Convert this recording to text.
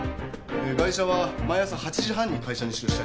ガイシャは毎朝８時半に会社に出社しています。